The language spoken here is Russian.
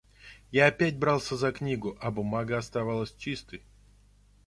Я опять брался за книгу, а бумага оставалась чистой.